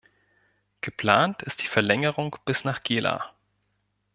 Geplant ist die Verlängerung bis nach Gela.